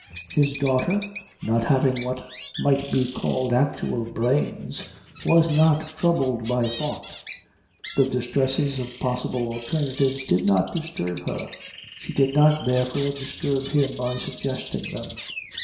His daughter, not having what might be called actual brains, was not troubled by thought. The distresses of possible alternatives did not disturb her. She did not, therefore, disturb him by suggesting them.